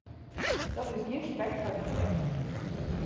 Dat is gjin spek foar dyn bek.